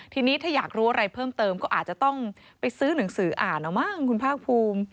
ทีนี้ถ้าอยากรู้อะไรเพิ่มเติมก็อาจจะต้องไปซื้อหนังสืออ่านเอามั้งคุณภาคภูมิ